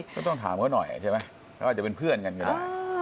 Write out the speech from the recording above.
ก็ต้องถามเขาหน่อยใช่ไหมเขาอาจจะเป็นเพื่อนกันก็ได้